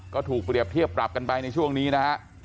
ก็ถูกเปรียบเทียบปรับกันไปในช่วงนี้นะฮะ